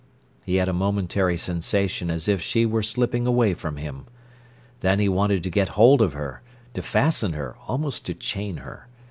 He had a momentary sensation as if she were slipping away from him. Then he wanted to get hold of her, to fasten her, almost to chain her.